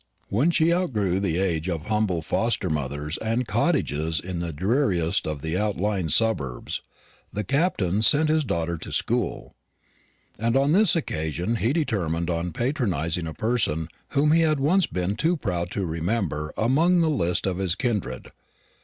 When she outgrew the age of humble foster mothers and cottages in the dreariest of the outlying suburbs, the Captain sent his daughter to school: and on this occasion he determined on patronising a person whom he had once been too proud to remember among the list of his kindred.